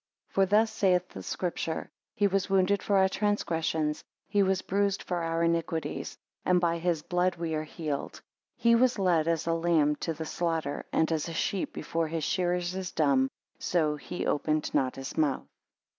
3 For thus saith the Scripture; He was wounded for our transgressions, he was bruised for our iniquities, and by his blood we are healed. He was led as a lamb to the slaughter, and as a sheep before his shearers is dumb, so he opened not his mouth.